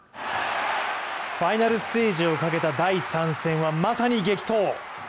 ファイナルステージをかけた第３戦はまさに激闘。